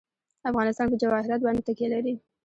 افغانستان په جواهرات باندې تکیه لري.